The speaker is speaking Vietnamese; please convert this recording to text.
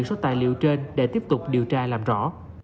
số tài liệu trên để tiếp tục điều tra làm rõ